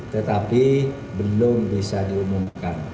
tetapi belum bisa diumumkan